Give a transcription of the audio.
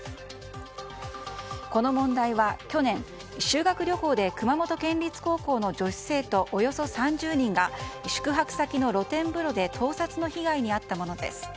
この問題は去年、修学旅行で熊本県立高校の女子生徒およそ３０人が宿泊先の露天風呂で盗撮の被害に遭ったものです。